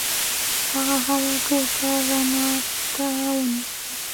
هغه هره ټوټه رڼا ته ونیوله.